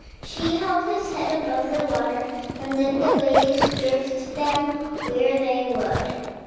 She held his head above the water, and let the waves drift them where they would.